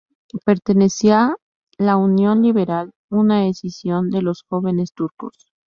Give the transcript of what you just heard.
Pertenecía la Unión Liberal, una escisión de los Jóvenes Turcos.